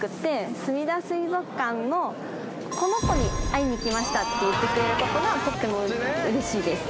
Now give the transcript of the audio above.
「すみだ水族館のこの子に会いに来ました」って言ってくれることがとっても嬉しいです